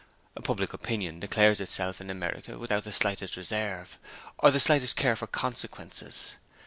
Public opinion declares itself in America without the slightest reserve, or the slightest care for consequences.